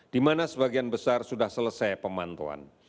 di mana sebagian besar sudah selesai pemantauan